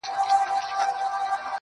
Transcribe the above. ته يې جادو په شينكي خال كي ويــنې.